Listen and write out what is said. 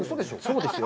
そうですよ。